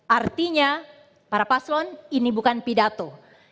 artinya para paslon ini bukan pidato